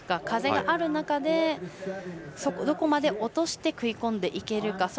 風がある中で、どこまで落として食い込んでいけるか。